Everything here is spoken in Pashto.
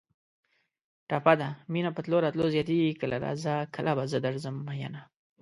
ټپه ده: مینه په تلو راتلو زیاتېږي کله راځه کله به زه درځم مینه